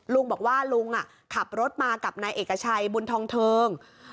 ลุงบอกว่าลุงขับรถมากับนายเอกชัยบุญทองเทิง